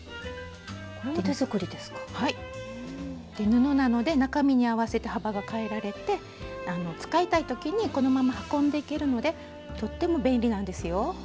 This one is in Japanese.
布なので中身に合わせて幅が変えられて使いたい時にこのまま運んでいけるのでとっても便利なんですよ。